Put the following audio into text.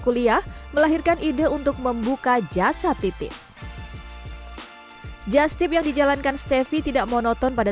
karya melahirkan ide untuk membuka jasa titip jastip yang dijalankan steffi tidak monoton pada